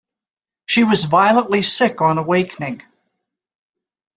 She was violently sick on awakening.